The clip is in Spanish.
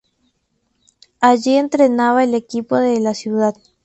Allí entrenaba al equipo de la ciudad.